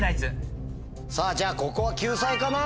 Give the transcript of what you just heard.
さぁじゃあここは救済かな？